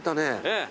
ええ。